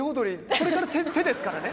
これから手ですからね。